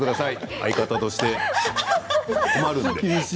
相方として困るので。